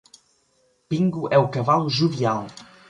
Pingo é o cavalo jovial